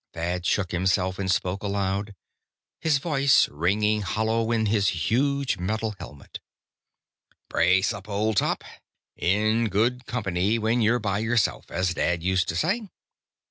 Thad shook himself and spoke aloud, his voice ringing hollow in his huge metal helmet: "Brace up, old top. In good company, when you're by yourself, as Dad used to say.